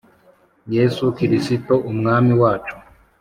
Yesu kristoe umwami wacu